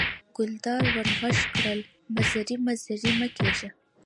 ګلداد ور غږ کړل: مزری مزری مه کېږه.